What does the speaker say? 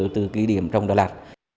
từ kỷ điểm trong đà lạt